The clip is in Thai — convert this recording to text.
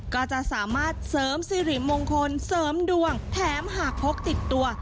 ก็จะสามารถเสริมสิริมงคลเสริมดวงแถมหากพกติดตัว